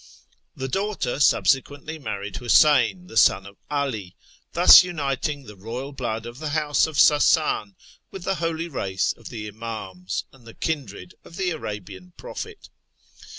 The daughter subsequently married Huseyn, the son of 'AH, thus uniting the royal blood of tlie house of Sasan with the holy race of the Imams and the kindred of the Arabian prophet.